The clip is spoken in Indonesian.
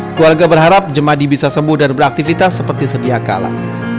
keluarga berharap jemadi bisa sembuh dan beraktivitas seperti sedia kala